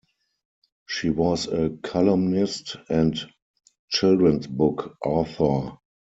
She was a columnist and children's book author.